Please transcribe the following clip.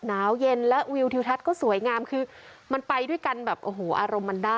หนาวเย็นและวิวทิวทัศน์ก็สวยงามคือมันไปด้วยกันแบบโอ้โหอารมณ์มันได้